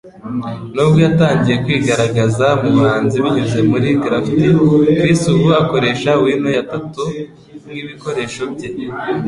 Nubwo yatangiye kwigaragaza mubuhanzi binyuze muri graffiti, Chris ubu akoresha wino ya tattoo nkibikoresho bye.